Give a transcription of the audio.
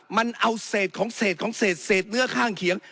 มันเอาเศษของเศษของเศษเนื้อข้างเคียง